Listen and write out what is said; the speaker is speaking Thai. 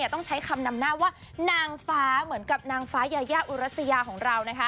ต้องใช้คำนำหน้าว่านางฟ้าเหมือนกับนางฟ้ายายาอุรัสยาของเรา